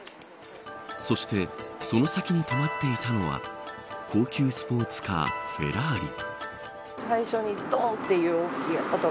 そしてその先に止まっていたのは高級スポーツカー、フェラーリ。